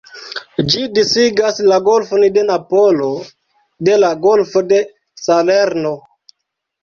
Ĝi disigas la Golfon de Napolo de la Golfo de Salerno.